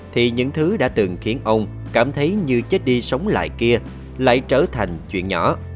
thì những thứ đã từng khiến ông cảm thấy như chết đi sống lại kia lại trở thành chuyện nhỏ